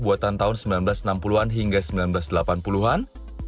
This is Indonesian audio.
buatan tahun seribu sembilan ratus enam puluh an hingga seribu sembilan ratus delapan puluh an